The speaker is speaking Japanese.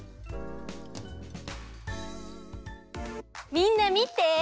みんなみて！